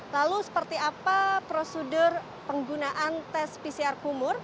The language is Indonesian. lalu seperti apa prosedur penggunaan tes pcr kumur